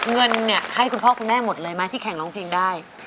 เงินเนี่ยให้คุณพ่อคุณแม่หมดเลยไหมที่แข่งร้องเพลงได้